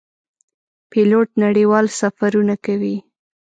پیلوټ نړیوال سفرونه کوي.